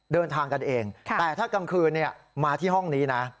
เดินทางกันเองแต่ถ้ากลางคืนมาที่ห้องนี้นะ